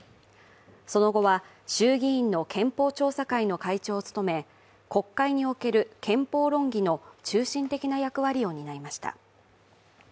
その後は、衆議院の憲法調査会の会長を務め国会における憲法論議の中心的な役割を担いました。